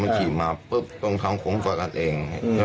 มันขี่มาปวกตรงทางขวงควันเอง